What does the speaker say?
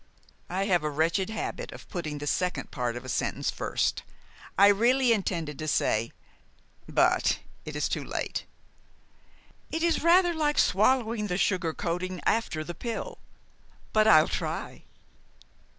"I have a wretched habit of putting the second part of a sentence first. I really intended to say but it is too late." "It is rather like swallowing the sugar coating after the pill; but I'll try."